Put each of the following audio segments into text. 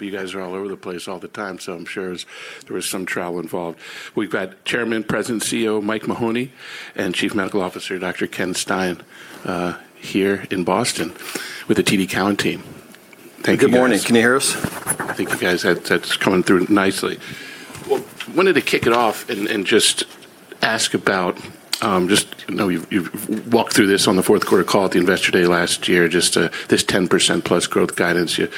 You guys are all over the place all the time. I'm sure there was some travel involved. We've got Chairman, President, CEO Mike Mahoney and Chief Medical Officer Dr. Kenneth Stein here in Boston with the TD Cowen team. Thank you, guys. Good morning. Can you hear us? I think you guys that's coming through nicely. Wanted to kick it off and just ask about, just, you know, you've walked through this on the fourth quarter call at the Investor Day last year, just this 10%+ growth guidance. You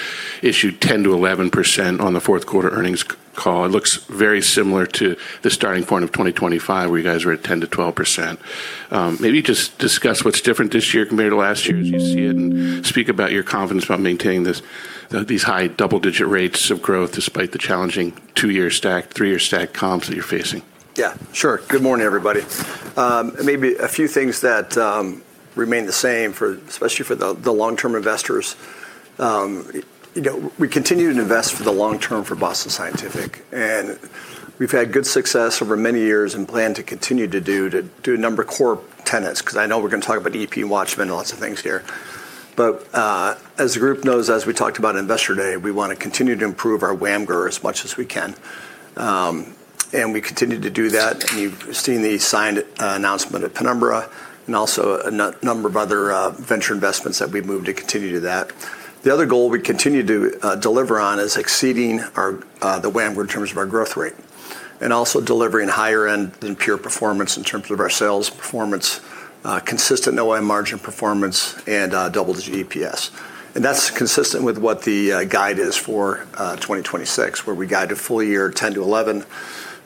issued 10%-11% on the fourth quarter earnings call. It looks very similar to the starting point of 2025, where you guys were at 10%-12%. Maybe just discuss what's different this year compared to last year as you see it, and speak about your confidence about maintaining this, these high double-digit rates of growth despite the challenging two-year stack, three-year stack comps that you're facing. Yeah, sure. Good morning, everybody. Maybe a few things that remain the same for, especially for the long-term investors. You know, we continue to invest for the long term for Boston Scientific, and we've had good success over many years and plan to continue to do a number of core tenets, because I know we're going to talk about EP and WATCHMAN and lots of things here. But, as the group knows, as we talked about Investor Day, we want to continue to improve our WAMGR as much as we can. And we continue to do that. You've seen the signed announcement at Penumbra and also a number of other venture investments that we've moved to continue to that. The other goal we continue to deliver on is exceeding our the WAMGR in terms of our growth rate. Also delivering higher end than peer performance in terms of our sales performance, consistent OI margin performance and double-digit EPS. That's consistent with what the guide is for 2026, where we guide a full year 10-11,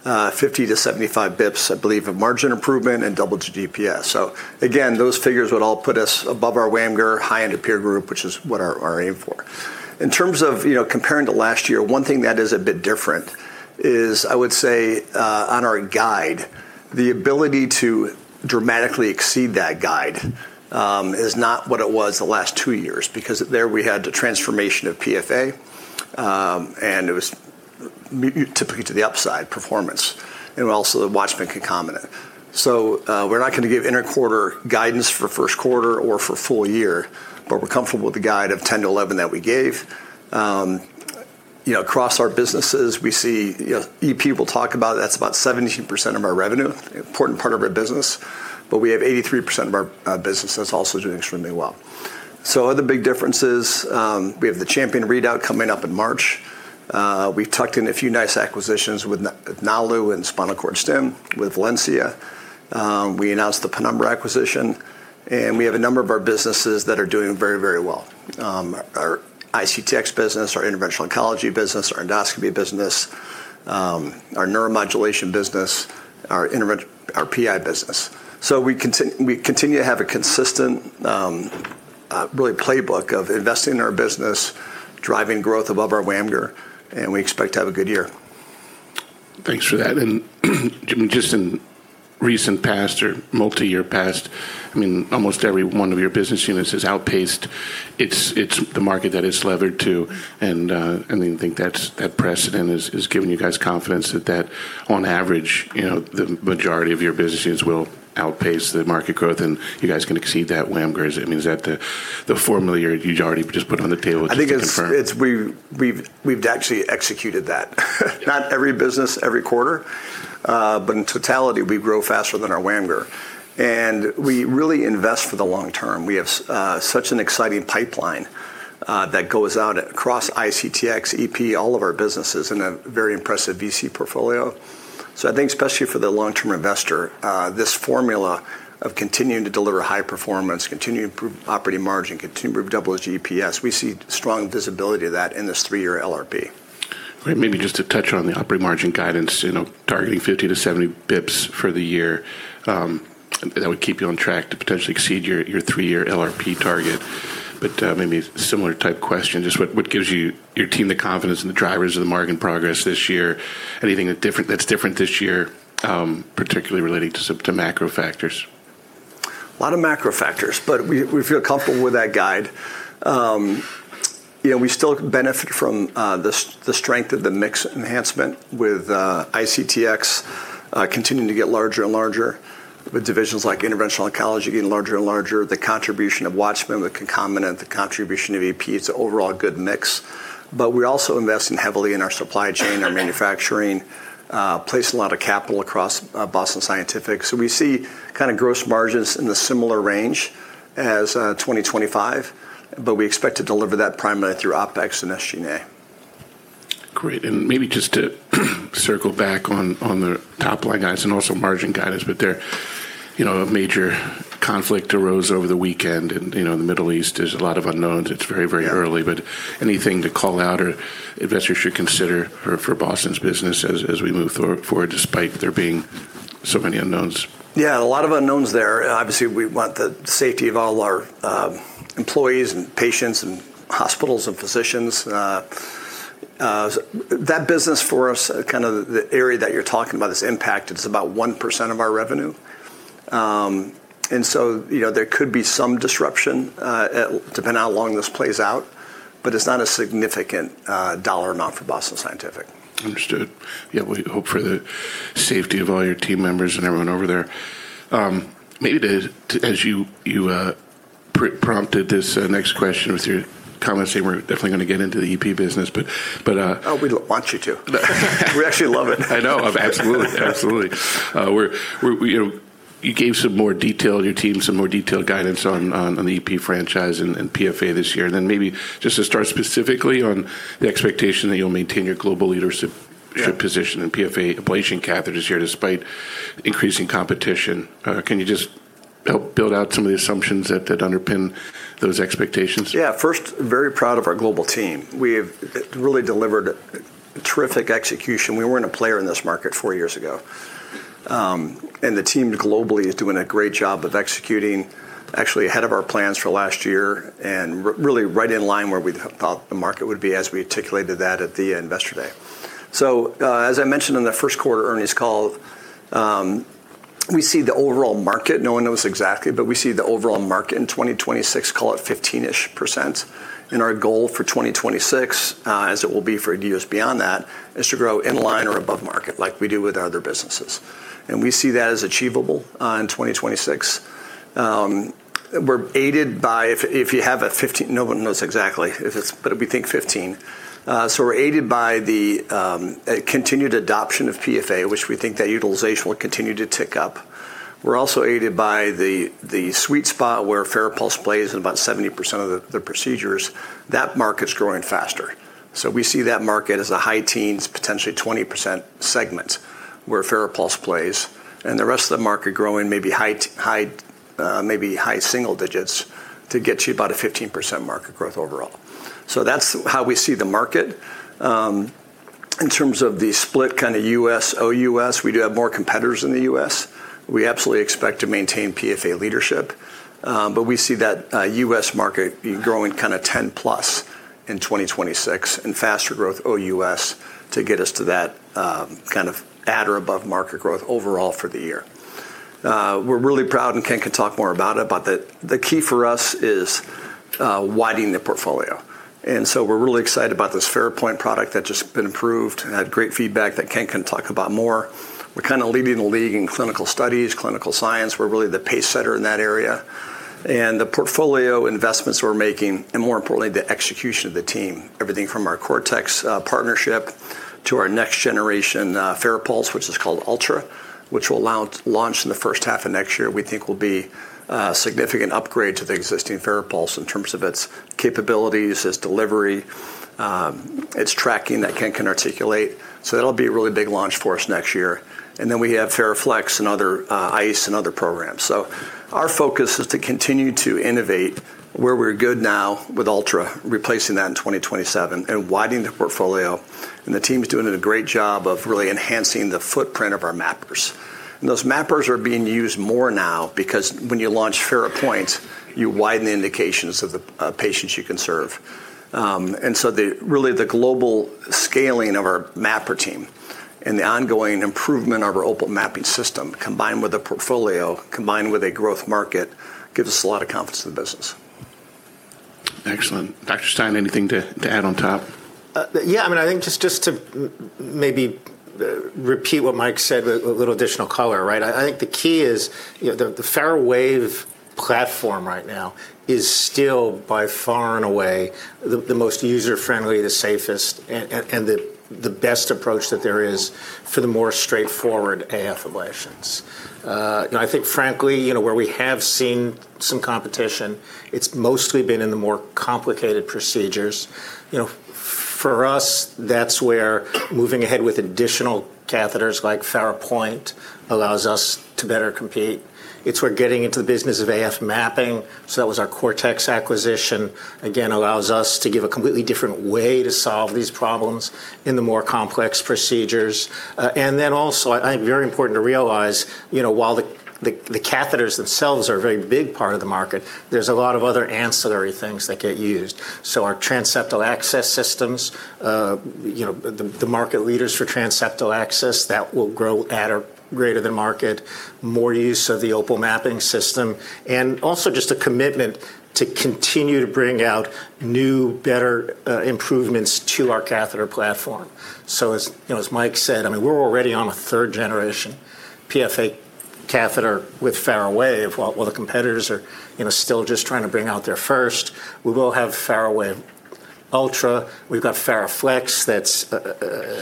50-75 bps, I believe, of margin improvement and double-digit EPS. Again, those figures would all put us above our WAMGR high-end peer group, which is what our aim for. In terms of, you know, comparing to last year, one thing that is a bit different is, I would say, on our guide, the ability to dramatically exceed that guide is not what it was the last two years, because there we had the transformation of PFA, and it was typically to the upside performance, and also the WATCHMAN concomitant. We're not going to give inter-quarter guidance for first quarter or for full year, but we're comfortable with the guide of 10-11 that we gave. You know, across our businesses, we see, you know, EP we'll talk about, that's about 17% of our revenue, important part of our business, but we have 83% of our business that's also doing extremely well. Other big differences, we have the CHAMPION-AF readout coming up in March. We've tucked in a few nice acquisitions with Nalu Medical and spinal cord stim with Valencia. We announced the Penumbra acquisition, and we have a number of our businesses that are doing very, very well. Our ICTx business, our interventional oncology business, our endoscopy business, our neuromodulation business, our PI business. We continue to have a consistent, really playbook of investing in our business, driving growth above our WAMGR, and we expect to have a good year. Thanks for that. Just in recent past or multi-year past, I mean, almost every one of your business units has outpaced its the market that it's levered to. I think that precedent is giving you guys confidence that on average, you know, the majority of your business units will outpace the market growth and you guys can exceed that WAMGR. I mean, is that the formula you already just put on the table just to confirm? I think it's we've actually executed that. Not every business every quarter, but in totality, we grow faster than our WAMGR. We really invest for the long term. We have such an exciting pipeline that goes out across ICTx, EP, all of our businesses in a very impressive VC portfolio. I think especially for the long-term investor, this formula of continuing to deliver high performance, continue to improve operating margin, continue to improve double GPS, we see strong visibility of that in this three-year LRP. Right. Maybe just to touch on the operating margin guidance, you know, targeting 50 to 70 basis points for the year, that would keep you on track to potentially exceed your three-year LRP target. Maybe similar type question, just what gives you, your team the confidence and the drivers of the margin progress this year? Anything that different, that's different this year, particularly relating to macro factors? A lot of macro factors. We feel comfortable with that guide. You know, we still benefit from the strength of the mix enhancement with ICTx continuing to get larger and larger, with divisions like interventional oncology getting larger and larger, the contribution of WATCHMAN, the concomitant, the contribution of EP, it's an overall good mix. We're also investing heavily in our supply chain, our manufacturing, placing a lot of capital across Boston Scientific. We see kinda gross margins in the similar range as 2025, but we expect to deliver that primarily through OpEx and SG&A. Great. Maybe just to circle back on the top line guidance and also margin guidance. There, you know, a major conflict arose over the weekend in, you know, the Middle East. There's a lot of unknowns. It's very, very early, but anything to call out or investors should consider for Boston's business as we move forward despite there being so many unknowns? Yeah, a lot of unknowns there. Obviously, we want the safety of all our employees and patients and hospitals and physicians. That business for us, kind of the area that you're talking about is impacted. It's about 1% of our revenue. You know, there could be some disruption depending on how long this plays out, but it's not a significant dollar amount for Boston Scientific. Understood. Yeah. We hope for the safety of all your team members and everyone over there. Maybe as you prompted this next question with your comments saying we're definitely gonna get into the EP business, but. Oh, we want you to. We actually love it. I know. Absolutely. Absolutely. We're, you know, you gave some more detail, your team some more detailed guidance on the EP franchise and PFA this year. Maybe just to start specifically on the expectation that you'll maintain your global leadership- Yeah... position in PFA ablation catheters here, despite increasing competition. Can you just help build out some of the assumptions that underpin those expectations? Yeah. First, very proud of our global team. We've really delivered terrific execution. We weren't a player in this market four years ago. The team globally is doing a great job of executing actually ahead of our plans for last year and really right in line where we thought the market would be as we articulated that at the Investor Day. As I mentioned on the first quarter earnings call, we see the overall market, no one knows exactly, but we see the overall market in 2026, call it 15%-ish. Our goal for 2026, as it will be for years beyond that, is to grow in line or above market like we do with our other businesses. We see that as achievable in 2026. We're aided by no one knows exactly if it's, but we think 15. We're aided by the continued adoption of PFA, which we think that utilization will continue to tick up. We're also aided by the sweet spot where FARAPULSE plays in about 70% of the procedures. That market's growing faster. We see that market as a high teens, potentially 20% segment where FARAPULSE plays, and the rest of the market growing maybe high single digits to get to about a 15% market growth overall. That's how we see the market. In terms of the split kind of U.S., OUS, we do have more competitors in the U.S. We absolutely expect to maintain PFA leadership, but we see that U.S. market growing kind of 10+ in 2026 and faster growth OUS to get us to that kind of at or above market growth overall for the year. We're really proud, and Ken can talk more about it, but the key for us is widening the portfolio. We're really excited about this FARAPOINT product that's just been approved and had great feedback that Ken can talk about more. We're kind of leading the league in clinical studies, clinical science. We're really the pacesetter in that area. The portfolio investments we're making, and more importantly, the execution of the team, everything from our Cortex partnership to our next generation FARAPULSE, which is called Ultra, which will allow to launch in the first half of next year. We think will be a significant upgrade to the existing FARAPULSE in terms of its capabilities, its delivery, its tracking that Ken can articulate. That'll be a really big launch for us next year. We have FARAFLEX and other ICE and other programs. Our focus is to continue to innovate where we're good now with Ultra, replacing that in 2027 and widening the portfolio. The team's doing a great job of really enhancing the footprint of our mappers. Those mappers are being used more now because when you launch FARAPOINT, you widen the indications of the patients you can serve. The really, the global scaling of our mapper team and the ongoing improvement of our Opal Mapping System, combined with a portfolio, combined with a growth market, gives us a lot of confidence in the business. Excellent. Dr. Stein, anything to add on top? Yeah, I mean, I think just to maybe repeat what Mike said with a little additional color, right? I think the key is, you know, the FARAWAVE platform right now is still by far and away the most user-friendly, the safest, and the best approach that there is for the more straightforward AF ablations. You know, I think frankly, you know, where we have seen some competition, it's mostly been in the more complicated procedures. You know, for us, that's where moving ahead with additional catheters like FARAPOINT allows us to better compete. It's where getting into the business of AF mapping, so that was our Cortex acquisition, again, allows us to give a completely different way to solve these problems in the more complex procedures. Then also, I think very important to realize, you know, while the, the catheters themselves are a very big part of the market, there's a lot of other ancillary things that get used. Our transseptal access systems, you know, the market leaders for transseptal access, that will grow at or greater than market. More use of the Opal Mapping System, and also just a commitment to continue to bring out new, better improvements to our catheter platform. As, you know, as Mike said, I mean, we're already on a third generation PFA catheter with FARAWAVE while the competitors are, you know, still just trying to bring out their first. We will have FARAWAVE Ultra. We've got FARAFLEX that's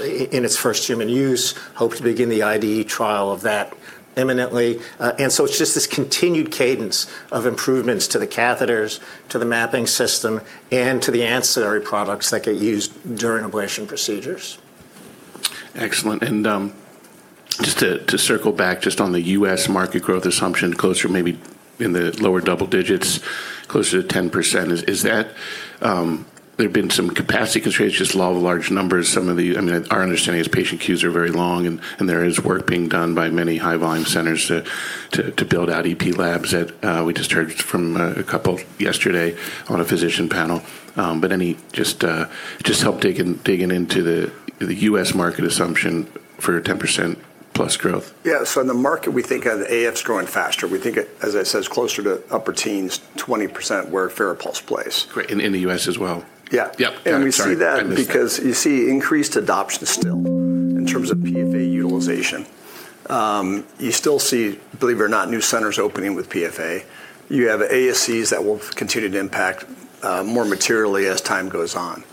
in its first human use. Hope to begin the IDE trial of that imminently. It's just this continued cadence of improvements to the catheters, to the mapping system, and to the ancillary products that get used during ablation procedures. Excellent. Just to circle back just on the U.S. market growth assumption, closer maybe in the lower double digits, closer to 10%. Is that? There have been some capacity constraints, just a lot of large numbers. I mean, our understanding is patient queues are very long and there is work being done by many high-volume centers to build out EP labs that we just heard from a couple yesterday on a physician panel. But any just help digging into the U.S. market assumption for 10% plus growth. Yeah. In the market, we think of the AF's growing faster. We think, as I said, it's closer to upper teens, 20% where FARAPULSE plays. Great. In the U.S. as well? Yeah. Yep. Got it. Sorry. we see that because you see increased adoption still in terms of PFA utilization. You still see, believe it or not, new centers opening with PFA. You have ASCs that will continue to impact more materially as time goes on.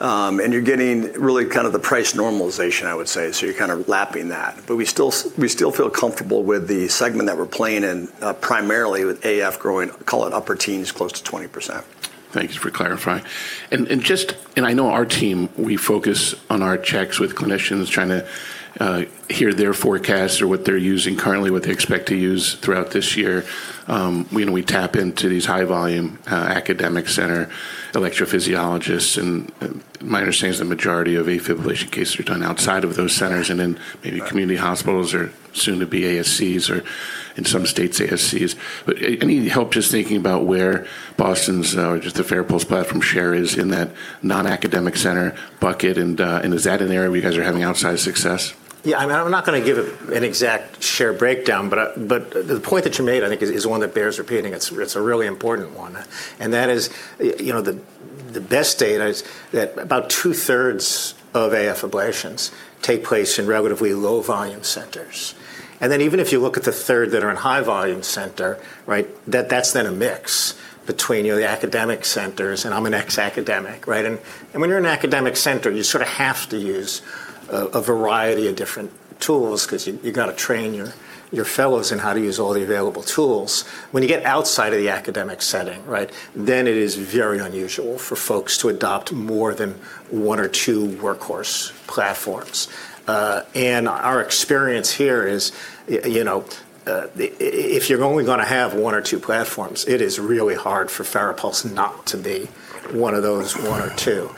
You're getting really kind of the price normalization, I would say. You're kind of lapping that. We still feel comfortable with the segment that we're playing in, primarily with AF growing, call it upper teens, close to 20%. Thanks for clarifying. I know our team, we focus on our checks with clinicians trying to hear their forecasts or what they're using currently, what they expect to use throughout this year. You know, we tap into these high-volume academic center electrophysiologists, and my understanding is the majority of AFib cases are done outside of those centers and in maybe community hospitals or soon-to-be ASCs or in some states, ASCs. Any help just thinking about where Boston's or just the FARAPULSE platform share is in that non-academic center bucket? Is that an area where you guys are having outsized success? Yeah, I'm not gonna give an exact share breakdown, but the point that you made, I think is one that bears repeating. It's a really important one. That is, you know, the best data is that about two-thirds of AF ablations take place in relatively low-volume centers. Even if you look at the third that are in high-volume center, right? That's then a mix between, you know, the academic centers, and I'm an ex-academic, right? When you're an academic center, you sort of have to use a variety of different tools 'cause you gotta train your fellows in how to use all the available tools. When you get outside of the academic setting, right? It is very unusual for folks to adopt more than one or two workhorse platforms. And our experience here is, you know, if you're only gonna have one or two platforms, it is really hard for FARAPULSE not to be one of those one or two.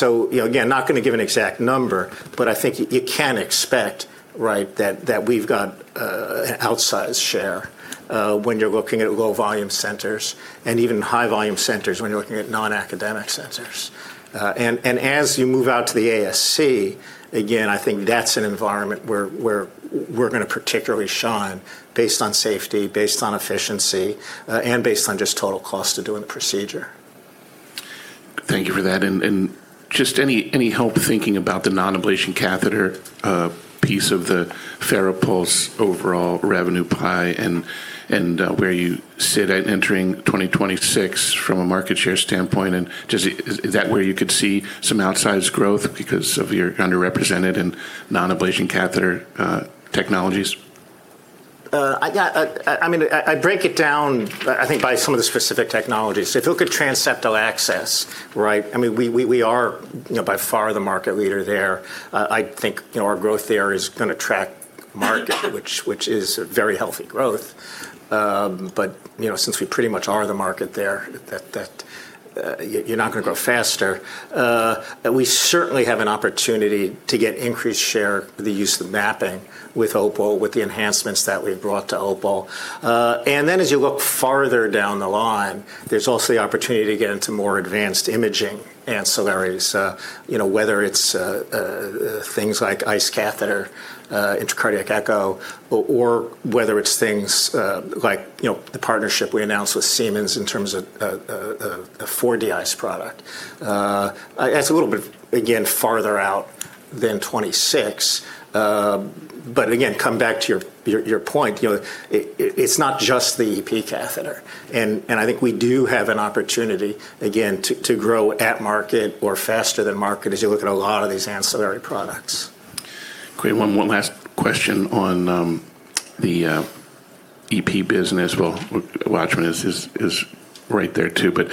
You know, again, not gonna give an exact number, but I think you can expect, right? That, that we've got an outsized share when you're looking at low-volume centers and even high-volume centers when you're looking at non-academic centers. And as you move out to the ASC, again, I think that's an environment where we're gonna particularly shine based on safety, based on efficiency, and based on just total cost of doing the procedure. Thank you for that. Just any help thinking about the non-ablation catheter piece of the FARAPULSE overall revenue pie and where you sit at entering 2026 from a market share standpoint? Just is that where you could see some outsized growth because of your underrepresented and non-ablation catheter technologies? I mean, I break it down, I think by some of the specific technologies. If you look at transseptal access, right? I mean, we are, you know, by far the market leader there. I think, you know, our growth there is gonna track market which is very healthy growth. You know, since we pretty much are the market there, you're not gonna grow faster. We certainly have an opportunity to get increased share the use of mapping with OPAL, with the enhancements that we've brought to OPAL. As you look farther down the line, there's also the opportunity to get into more advanced imaging ancillaries. You know, whether it's things like ICE catheter, intracardiac echo, or whether it's things, like, you know, the partnership we announced with Siemens in terms of a 4D ICE product. It's a little bit, again, farther out than 2026. Again, come back to your point. You know, it's not just the EP catheter. I think we do have an opportunity, again, to grow at market or faster than market as you look at a lot of these ancillary products. Great. One last question on the EP business. Well, WATCHMAN is right there too, but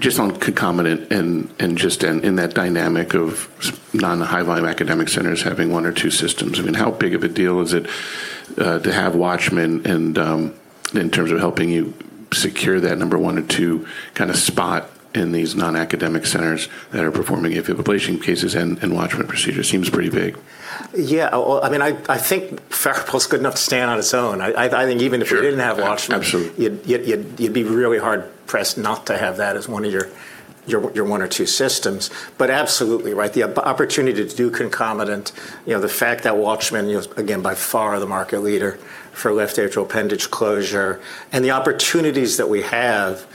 just on concomitant and just in that dynamic of non-high volume academic centers having one or two systems. I mean, how big of a deal is it to have WATCHMAN and in terms of helping you secure that number one or two kinda spot in these non-academic centers that are performing AF fibrillation cases and WATCHMAN procedure? Seems pretty big. Yeah. Well, I mean, I think FARAPULSE is good enough to stand on its own. I think even- Sure... we didn't have WATCHMAN. Absolutely... you'd be really hard-pressed not to have that as one of your one or two systems. Absolutely right. The opportunity to do concomitant, you know, the fact that WATCHMAN, you know, again, by far the market leader for left atrial appendage closure and the opportunities that we have,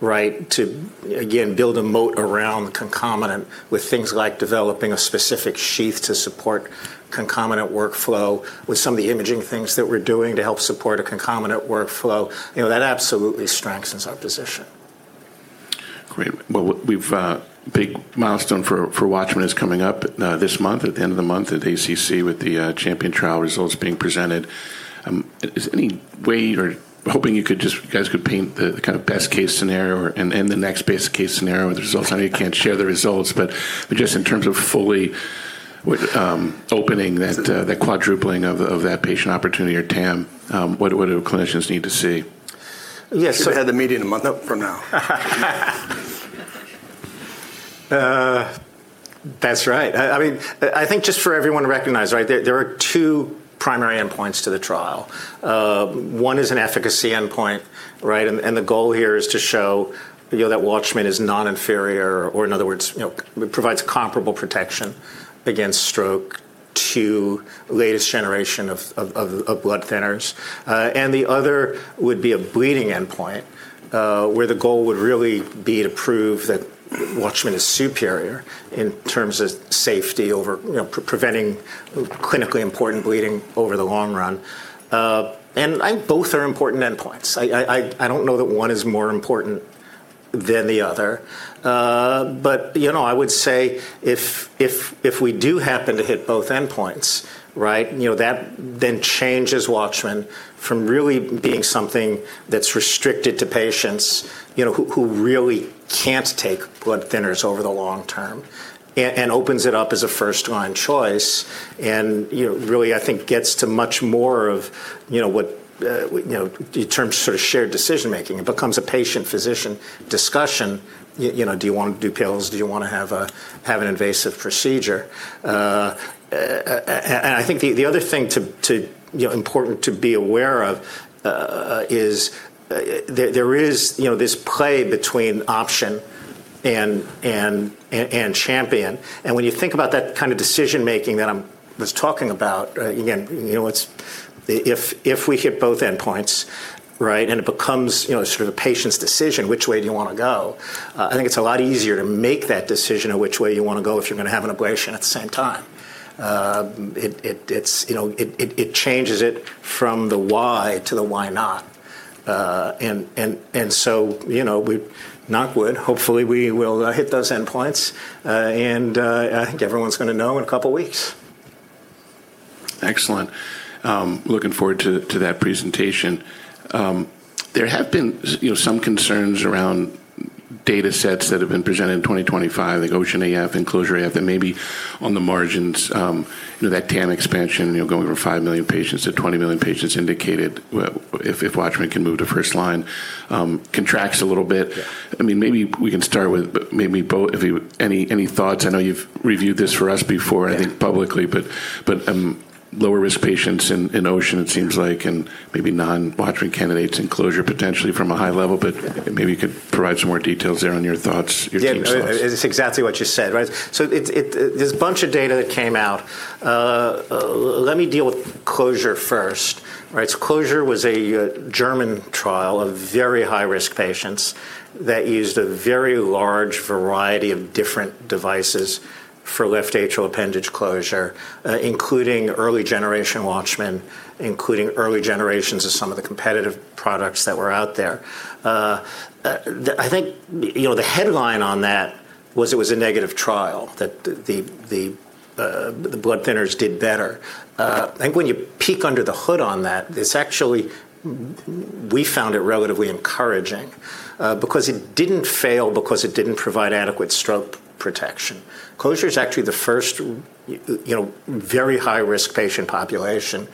right? To again, build a moat around concomitant with things like developing a specific sheath to support concomitant workflow with some of the imaging things that we're doing to help support a concomitant workflow. You know, that absolutely strengthens our position. Great. Well, we've big milestone for WATCHMAN is coming up this month, at the end of the month at ACC with the CHAMPION trial results being presented. Is any way you're hoping you guys could paint the kind of best case scenario and the next best case scenario with the results? I know you can't share the results, but just in terms of fully opening that that quadrupling of that patient opportunity or TAM, what do clinicians need to see? Yes. Should've had the meeting a month from now. That's right. I mean, I think just for everyone to recognize, right? There are two primary endpoints to the trial. One is an efficacy endpoint, right? The goal here is to show, you know, that WATCHMAN is non-inferior or in other words, you know, provides comparable protection against stroke to latest generation of blood thinners. The other would be a bleeding endpoint, where the goal would really be to prove that WATCHMAN is superior in terms of safety over, you know, preventing clinically important bleeding over the long run. Both are important endpoints. I don't know that one is more important than the other. You know, I would say if we do happen to hit both endpoints, right? You know, that then changes WATCHMAN from really being something that's restricted to patients, you know, who really can't take blood thinners over the long term and opens it up as a first-line choice and, you know, really, I think, gets to much more of, you know, what, you know, in terms of sort of shared decision-making. It becomes a patient-physician discussion. You know, do you want to do pills? Do you wanna have an invasive procedure? And I think the other thing to, you know, important to be aware of, is, there is, you know, this play between OPTION and CHAMPION-AF. When you think about that kind of decision-making that I was talking about, again, you know, it's if we hit both endpoints, right, and it becomes, you know, sort of patient's decision, which way do you wanna go? I think it's a lot easier to make that decision of which way you wanna go if you're gonna have an ablation at the same time. It's, you know, it changes it from the why to the why not. And so, you know, we knock wood, hopefully, we will hit those endpoints. I think everyone's gonna know in a couple of weeks. Excellent. looking forward to that presentation. There have been some concerns around data sets that have been presented in 2025, like OCEAN-AF and CLOSURE-AF, and maybe on the margins, you know, that TAM expansion, you know, going from 5 million patients to 20 million patients indicated if WATCHMAN can move to first line, contracts a little bit. Yeah. I mean, maybe we can start with maybe both any thoughts. I know you've reviewed this for us before. Yeah. I think publicly, but, lower-risk patients in OCEAN, it seems like, and maybe non-WATCHMAN candidates in CLOSURE potentially from a high level Yeah. Maybe you could provide some more details there on your thoughts, your team's thoughts. Yeah. It's exactly what you said, right? There's a bunch of data that came out. Let me deal with CLOSURE-AF first, right? CLOSURE-AF was a German trial of very high-risk patients that used a very large variety of different devices for left atrial appendage closure, including early generation WATCHMAN, including early generations of some of the competitive products that were out there. I think, you know, the headline on that was it was a negative trial, that the blood thinners did better. I think when you peek under the hood on that, it's actually we found it relatively encouraging because it didn't fail, because it didn't provide adequate stroke protection. CLOSURE is actually the first, you know, very high-risk patient population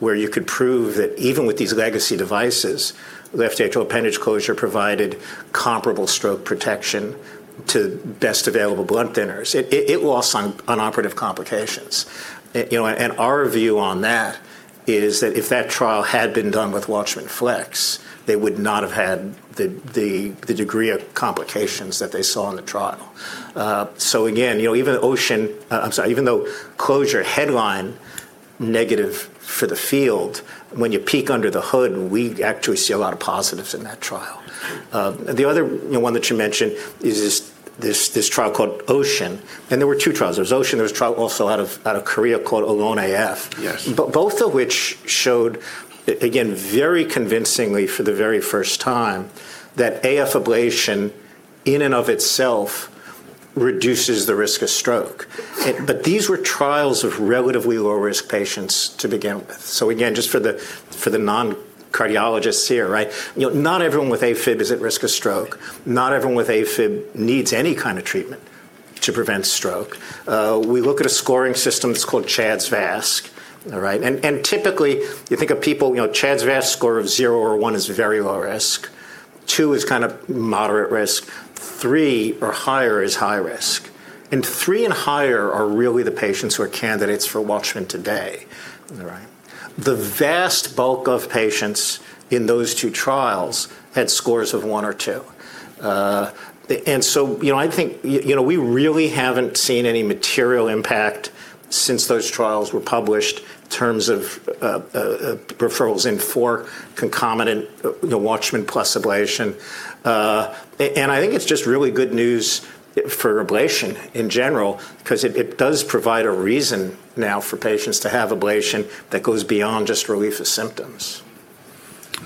where you could prove that even with these legacy devices, left atrial appendage closure provided comparable stroke protection to best available blood thinners. It lost on operative complications. You know, our view on that is that if that trial had been done with WATCHMAN FLX, they would not have had the degree of complications that they saw in the trial. Again, you know, even OCEAN, I'm sorry. Even though CLOSURE headline negative for the field, when you peek under the hood, we actually see a lot of positives in that trial. The other, you know, one that you mentioned is this trial called OCEAN. There were two trials. There was OCEAN. There was a trial also out of Korea called ALONE-AF. Yes. Both of which showed, again, very convincingly for the very first time that AF ablation in and of itself reduces the risk of stroke. These were trials of relatively low-risk patients to begin with. Again, just for the, for the non-cardiologists here, right? You know, not everyone with AFib is at risk of stroke. Not everyone with AFib needs any kind of treatment to prevent stroke. We look at a scoring system that's called CHA₂DS₂-VASc. All right. Typically, you think of people, you know, CHA₂DS₂-VASc score of 0 or 1 is very low risk, 2 is kind of moderate risk, 3 or higher is high risk. And 3 and higher are really the patients who are candidates for WATCHMAN today. All right. The vast bulk of patients in those two trials had scores of one or two. You know, I think, you know, we really haven't seen any material impact since those trials were published in terms of referrals in for concomitant, you know, WATCHMAN plus ablation. I think it does provide a reason now for patients to have ablation that goes beyond just relief of symptoms.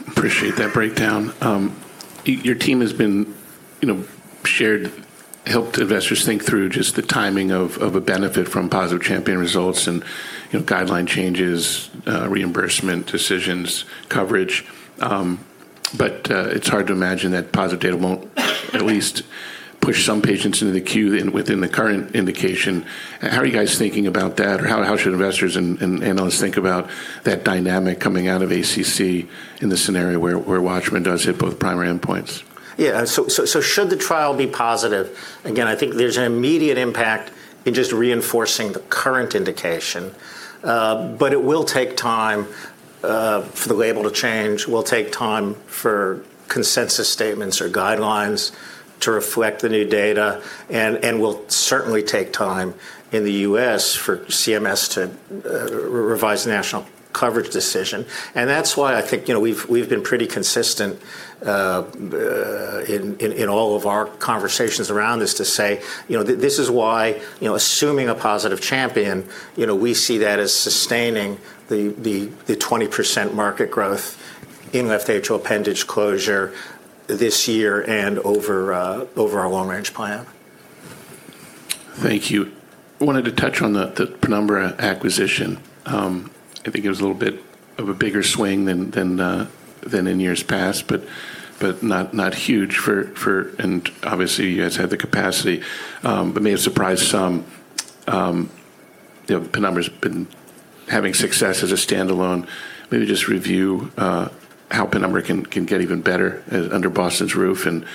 Appreciate that breakdown. Your team has been, you know, helped investors think through just the timing of a benefit from positive CHAMPION-AF results and, you know, guideline changes, reimbursement decisions, coverage. But it's hard to imagine that positive data won't at least push some patients into the queue within the current indication. How are you guys thinking about that? Or how should investors and analysts think about that dynamic coming out of ACC in the scenario where WATCHMAN does hit both primary endpoints? Yeah. Should the trial be positive, again, I think there's an immediate impact in just reinforcing the current indication. It will take time for the label to change. Will take time for consensus statements or guidelines to reflect the new data. Will certainly take time in the U.S. for CMS to revise the National Coverage Determination. That's why I think, you know, we've been pretty consistent in all of our conversations around this to say, you know, this is why, you know, assuming a positive CHAMPION-AF, you know, we see that as sustaining the 20% market growth. In left atrial appendage closure this year and over our long-range plan. Thank you. Wanted to touch on the Penumbra acquisition. I think it was a little bit of a bigger swing than in years past, but not huge for. Obviously you guys have the capacity, but may have surprised some. You know, Penumbra's been having success as a standalone. Maybe just review how Penumbra can get even better under Boston's roof and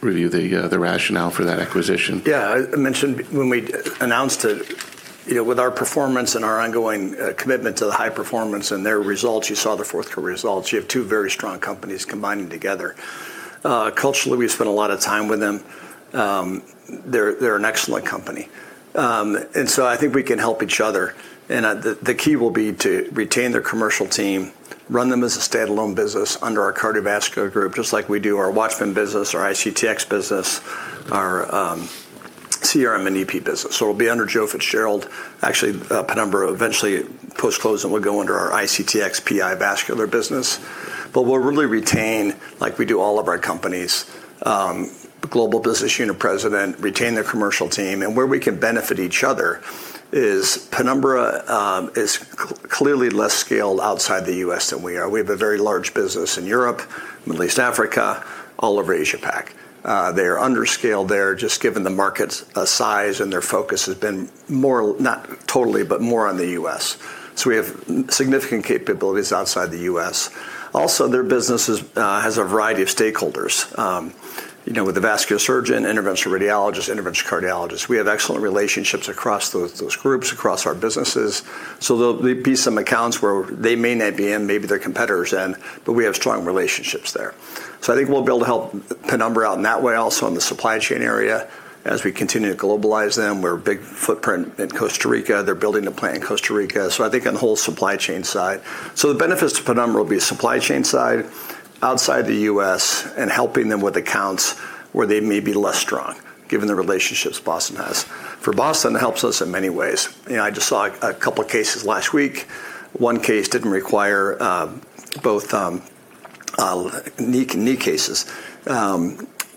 review the rationale for that acquisition. I mentioned when we announced it, you know, with our performance and our ongoing commitment to the high performance and their results, you saw the fourth quarter results. You have two very strong companies combining together. Culturally, we've spent a lot of time with them. They're an excellent company. I think we can help each other. The key will be to retain their commercial team, run them as a standalone business under our cardiovascular group, just like we do our WATCHMAN business, our ICTx business, our CRM and EP business. So we'll be under Joe Fitzgerald. Actually, Penumbra eventually post-close and will go under our ICTx PI vascular business. We'll really retain, like we do all of our companies, global business unit president, retain their commercial team. Where we can benefit each other is Penumbra is clearly less scaled outside the U.S. than we are. We have a very large business in Europe, Middle East, Africa, all over Asia-Pac. They are under-scaled there just given the market's size and their focus has been more, not totally, but more on the U.S. We have significant capabilities outside the U.S. Also, their business has a variety of stakeholders, you know, with the vascular surgeon, interventional radiologist, interventional cardiologist. We have excellent relationships across those groups, across our businesses. They'll be some accounts where they may not be in, maybe their competitor's in, but we have strong relationships there. I think we'll be able to help Penumbra out in that way. Also, in the supply chain area, as we continue to globalize them. We're a big footprint in Costa Rica. They're building a plant in Costa Rica. I think on the whole supply chain side. The benefits to Penumbra will be supply chain side, outside the U.S., and helping them with accounts where they may be less strong, given the relationships Boston has. For Boston, it helps us in many ways. You know, I just saw a couple of cases last week. One case didn't require both knee cases.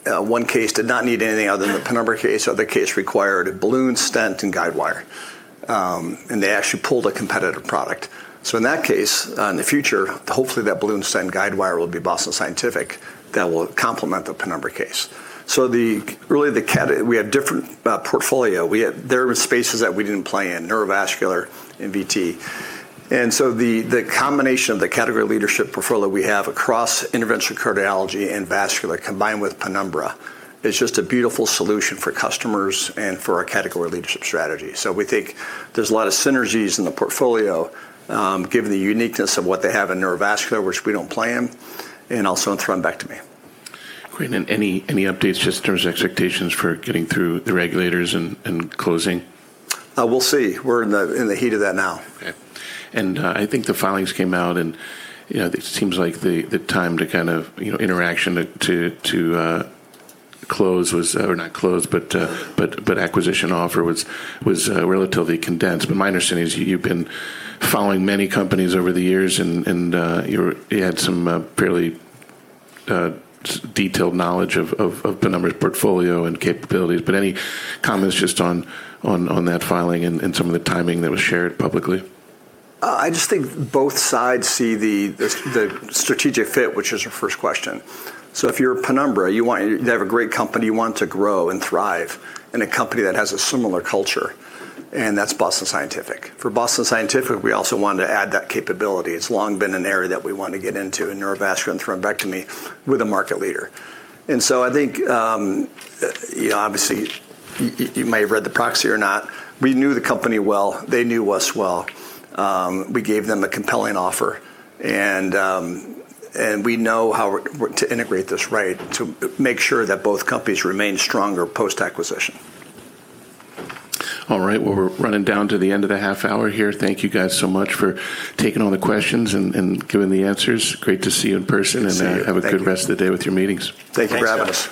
One case did not need anything other than the Penumbra case. Other case required a balloon stent and guide wire, and they actually pulled a competitive product. In that case, in the future, hopefully, that balloon stent guide wire will be Boston Scientific that will complement the Penumbra case. The really the different portfolio. We had... There were spaces that we didn't play in, neurovascular and VT. The combination of the category leadership portfolio we have across interventional cardiology and vascular combined with Penumbra is just a beautiful solution for customers and for our category leadership strategy. We think there's a lot of synergies in the portfolio, given the uniqueness of what they have in neurovascular, which we don't play in, and also in thrombectomy. Great. Any updates just in terms of expectations for getting through the regulators and closing? We'll see. We're in the heat of that now. Okay. I think the filings came out and, you know, it seems like the time to kind of, you know, interaction to acquisition offer was relatively condensed. My understanding is you've been following many companies over the years and you had some fairly detailed knowledge of Penumbra's portfolio and capabilities. Any comments just on that filing and some of the timing that was shared publicly? I just think both sides see the strategic fit, which is your first question. If you're Penumbra, they have a great company, you want to grow and thrive in a company that has a similar culture, and that's Boston Scientific. For Boston Scientific, we also wanted to add that capability. It's long been an area that we want to get into in neurovascular and thrombectomy. We're the market leader. I think, you know, obviously you may have read the proxy or not. We knew the company well. They knew us well. We gave them a compelling offer. We know how we're to integrate this right to make sure that both companies remain stronger post-acquisition. All right. Well, we're running down to the end of the half-hour here. Thank you guys so much for taking all the questions and giving the answers. Great to see you in person. Good to see you. Thank you. Have a good rest of the day with your meetings. Thank you for having us.